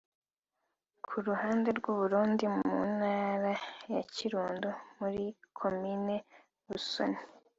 ku ruhande rw’u Burundi mu ntara ya Kirundo muri komini Busoni